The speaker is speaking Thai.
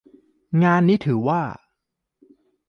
งานนี้ถือว่า